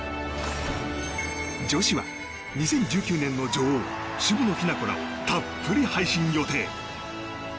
女子は２０１９年の女王渋野日向子らをたっぷり配信予定。